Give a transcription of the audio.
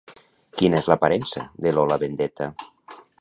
Quina és l'aparença de Lola Vendetta?